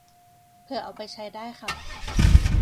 เผื่อเอาไปใช้ได้ครับ